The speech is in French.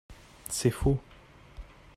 C’est faux